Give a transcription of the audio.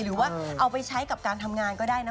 หรือว่าเอาไปใช้กับการทำงานก็ได้นะ